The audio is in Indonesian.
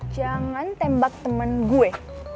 jangan tembak temen gue